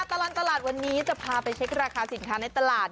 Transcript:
ตลอดตลาดวันนี้จะพาไปเช็คราคาสินค้าในตลาด